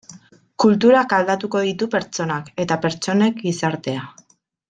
Kulturak aldatuko ditu pertsonak eta pertsonek gizartea.